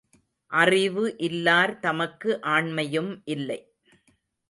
அறிவு இல்லார் தமக்கு ஆண்மையும் இல்லை.